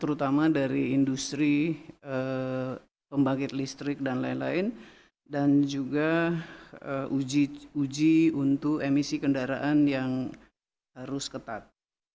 terutama dari industri pembangkit listrik dan lain lain dan juga uji untuk emisi kendaraan yang harus ketat